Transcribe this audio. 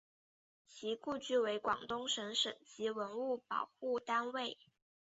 其故居为广东省省级文物保护单位。